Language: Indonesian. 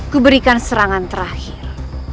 ku berikan serangan terakhir